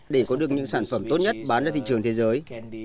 để có được những sản phẩm tốt nhất bán ra thị trường thế giới